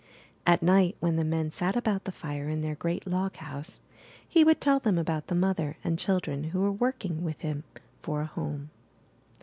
At night, when the men sat about the fire in their great loghouse, he would tell them about the mother and children who were working with him for a home.